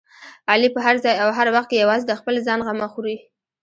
علي په هر ځای او هر وخت کې یوازې د خپل ځان غمه خوري.